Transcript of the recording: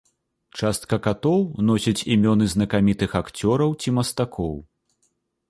Частка катоў носяць імёны знакамітых акцёраў ці мастакоў.